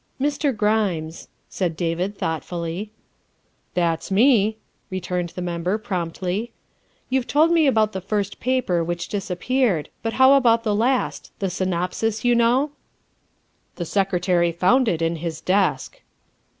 ''" Mr. Grimes," said David thoughtfully. " That's me," returned the Member promptly. " You've told me about the first paper which disap peared, but how about the last, the synopsis, you know ?'''' The Secretary found it in his desk.